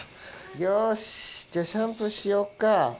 よしじゃあシャンプーしよっか。